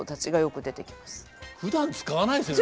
ふだん使わないですよね